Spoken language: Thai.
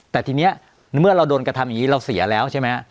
แต่ทีนี้เมื่อเราโดนกระทำอย่างนี้เราเสียแล้วใช่ไหมฮะ